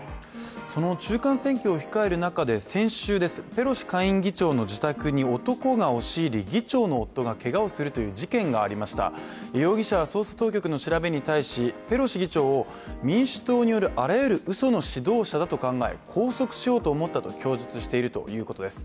その中間選挙を控える中、先週ペロシ下院議長の自宅に男が押し入り議長の夫がけがをするという事件がありました容疑者は捜査当局の捜査に対しあらゆるうその指導者だと考え拘束しようと思ったと供述しているということです。